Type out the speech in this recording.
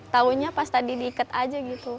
taunya pas tadi diikat aja gitu